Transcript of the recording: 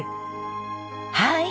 はい！